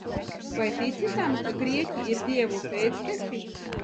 Vai tici tam, ka grieķi ir dievu pēcteči?